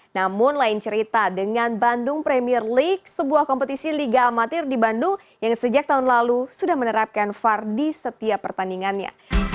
namun lain cerita dengan bandung premier league sebuah kompetisi liga amatir di bandung yang sejak tahun lalu sudah menerapkan var di setiap pertandingannya